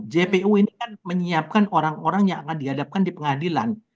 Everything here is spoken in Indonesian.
jpu ini kan menyiapkan orang orang yang akan dihadapkan di pengadilan